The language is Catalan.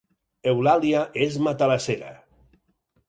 Eulàlia és matalassera